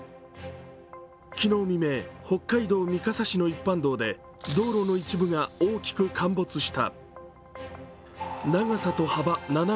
昨日未明、北海道三笠市の一般道で道路の一部が大きく陥没した。